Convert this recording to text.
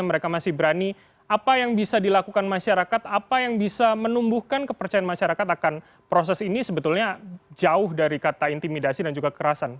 mereka masih berani apa yang bisa dilakukan masyarakat apa yang bisa menumbuhkan kepercayaan masyarakat akan proses ini sebetulnya jauh dari kata intimidasi dan juga kekerasan